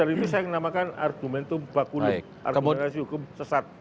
itu saya namakan argumentum bakulum argumentasi hukum sesat